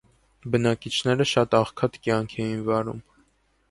Բնակիչները շատ աղքատ կյանք էին վարում։